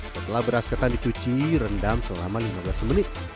setelah beras ketan dicuci rendam selama lima belas menit